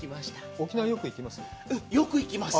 沖縄よく行きます？